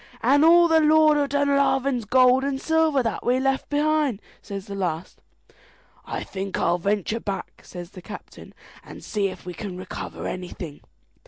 "And all the Lord of Dunlavin's gold and silver that we left behind!" says the last. "I think I'll venture back," says the captain, "and see if we can recover anything."